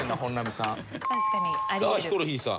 さあヒコロヒーさん。